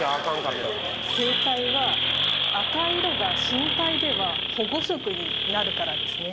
正解は、赤い色が深海では保護色になるからですね。